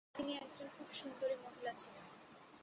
তিনি একজন খুব সুন্দরী মহিলা ছিলেন।